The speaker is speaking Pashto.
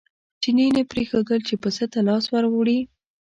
چیني نه پرېښودل چې پسه ته لاس ور وړي.